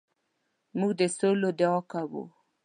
موږ د سولې دعا کوو.